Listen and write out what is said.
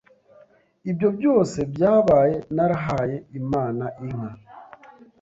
ibyo byose byabaye narahaye Imana inka,